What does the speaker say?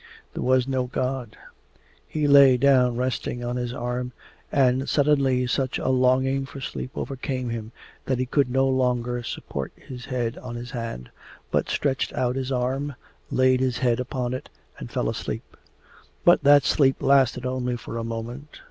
There was no God. He lay down resting on his arm, and suddenly such a longing for sleep overcame him that he could no longer support his head on his hand, but stretched out his arm, laid his head upon it, and fell asleep. But that sleep lasted only for a moment.